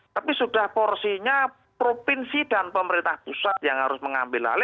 tapi sudah porsinya provinsi dan pemerintah pusat yang harus mengambil alih